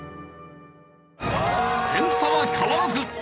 点差は変わらず。